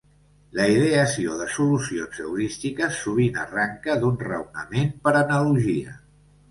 La ideació de solucions heurístiques sovint arranca d'un raonament per analogia.